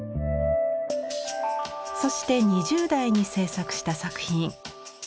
そして２０代に制作した作品。